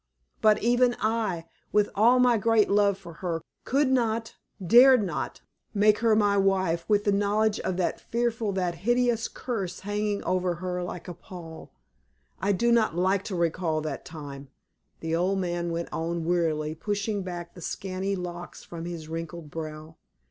But even I, with all my great love for her, could not, dared not, make her my wife with the knowledge of that fearful, that hideous curse hanging over her like a pall. I do not like to recall that time," the old man went on, wearily, pushing back the scanty locks from his wrinkled brow.